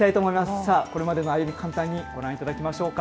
さあ、これまでの歩み、簡単にご覧いただきましょうか。